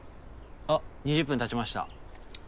あっ２０分経ちました。